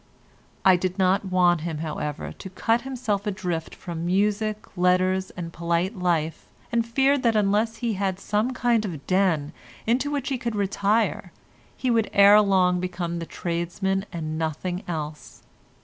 I did not want him, however, to cut himself adrift from music, letters and polite life, and feared that unless he had some kind of den into which he could retire he would ere long become the tradesman and nothing else.